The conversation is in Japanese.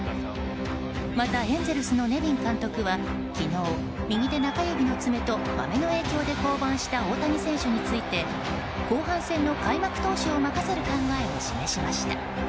また、エンゼルスのネビン監督は昨日右手中指の爪とマメの影響で降板した大谷選手について後半戦の開幕投手を任せる考えを示しました。